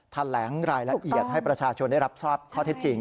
แถลงรายละเอียดให้ประชาชนได้รับทราบข้อเท็จจริง